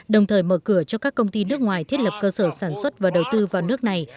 đồng thời mở cửa cho các công ty nước ngoài thiết lập cơ sở sản xuất và đầu tư vào nước này